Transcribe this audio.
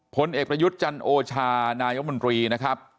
ผลเอกประยุทธ์จันโอชานายมนตรีนะครับ